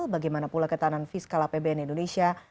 bagaimana pula ketahanan fiskal apbn indonesia